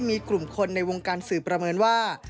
มีกลุ่มคนในวงการสื่อประเมินว่า